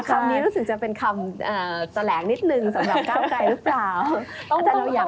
คำนี้รู้สึกจะเป็นคำแถลงนิดนึงสำหรับก้าวไกลหรือเปล่า